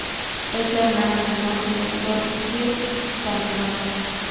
Es la hermana menor del actor Kirk Cameron.